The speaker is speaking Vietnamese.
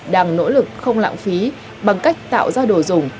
đang nỗ lực không lãng phí bằng cách tạo ra đồ dùng